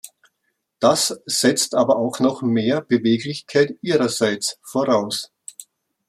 Das setzt aber auch noch mehr Beweglichkeit Ihrerseits voraus.